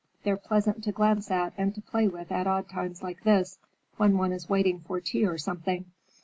They're pleasant to glance at and to play with at odd times like this, when one is waiting for tea or something."